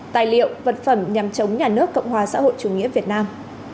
tài liệu vật phẩm nhằm chống nhà nước cộng hòa xã hội chủ nghĩa việt nam